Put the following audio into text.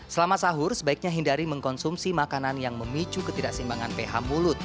selama sahur sebaiknya hindari mengkonsumsi makanan yang memicu ketidakseimbangan ph mulut